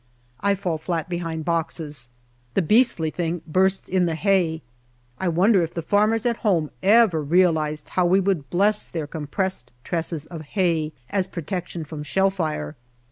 I fall flat behind boxes. The beastly thing bursts in the hay. I wonder if the farmers at home ever realized how we would bless their compressed trusses of hay, as protection from shell fire.